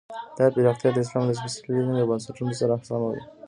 دا پراختیا د اسلام له سپېڅلي دین له بنسټونو سره سمه وي.